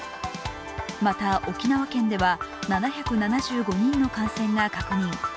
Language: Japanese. また沖縄県では７７５人の感染が確認